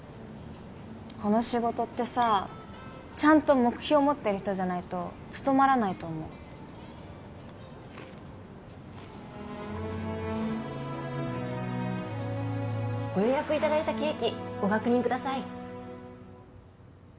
この仕事ってさちゃんと目標持ってる人じゃないと務まらないと思うご予約いただいたケーキご確認ください